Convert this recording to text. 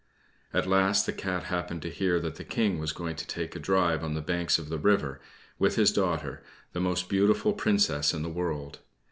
At last the Cat happened to hear that the King was going to take a drive on the banks of the river, with his daughter, the most beautiful Princess in the world.